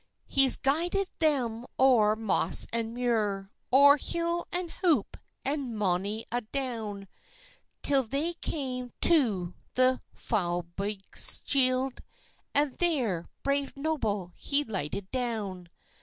He's guided them o'er moss and muir, O'er hill and houp, and mony a down; Til they came to the Foulbogshiel, And there, brave Noble, he lighted down.